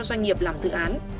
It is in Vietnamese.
doanh nghiệp làm dự án